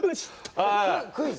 クイズ。